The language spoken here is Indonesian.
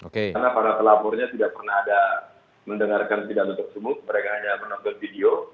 karena para pelapornya tidak pernah ada mendengarkan tidak untuk semut mereka hanya menonton video